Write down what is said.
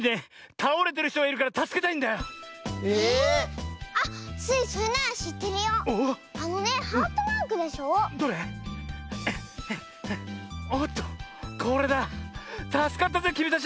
たすかったぜきみたち！